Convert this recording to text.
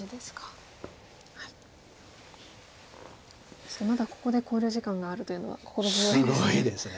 そしてまだここで考慮時間があるというのは心強いですね。